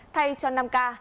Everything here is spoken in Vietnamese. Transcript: thay cho năm k